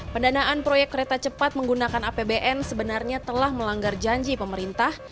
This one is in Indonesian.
pendanaan proyek kereta cepat menggunakan apbn sebenarnya telah melanggar janji pemerintah